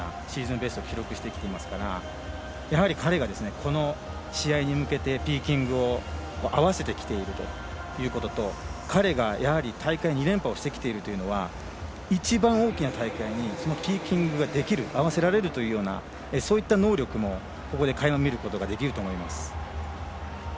ベスト記録してきていますから彼がこの試合に向けてピーキングを合わせてきているということと彼がやはり大会２連覇をしてきているということは一番大きな大会にピーキングができる、合わせられるというような能力も、ここで垣間見ることができると思います。